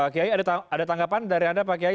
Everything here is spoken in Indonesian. kiai ada tanggapan dari anda pak kiai